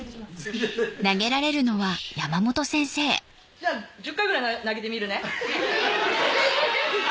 じゃあ１０回ぐらい投げてみるね。